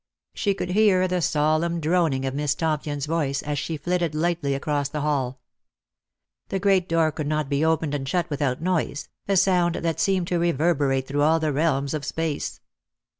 She could hear the solemn droning of Miss Tompion's voice as she flitted lightly across the hall. The great door could not be opened and shut without noise, a sound that seemed to reverberate through all the realms of space.